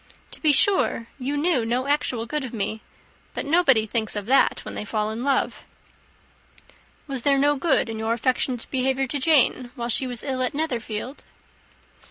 To be sure you know no actual good of me but nobody thinks of that when they fall in love." "Was there no good in your affectionate behaviour to Jane, while she was ill at Netherfield?"